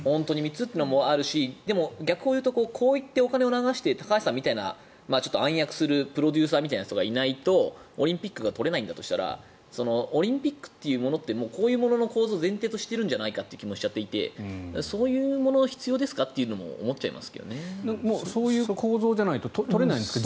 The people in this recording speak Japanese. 本当に３つ？というのもあるし逆に言うとこうやってお金を流して高橋さんみたいな暗躍するプロデューサーみたいなのがいないとオリンピックが取れないんだとしたらオリンピックというものってこういうものの構図を前提としてるんじゃないかという気もしちゃってそういうのは必要ですかってそういう構造じゃないと取れないんですか？